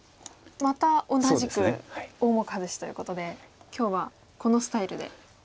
また同じく大目外しということで今日はこのスタイルで。